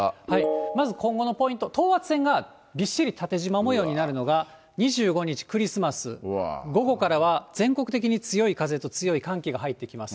まず、今後のポイント、等圧線がびっしり縦じま模様になるのが、２５日クリスマス、午後からは全国的に強い風と強い寒気が入ってきます。